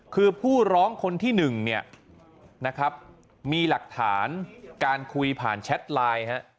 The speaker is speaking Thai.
คือผู้ร้องคนที่๑มีหลักฐานการคุยผ่านแชทไลน์